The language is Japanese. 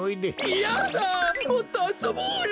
いやだもっとあそぼうよ。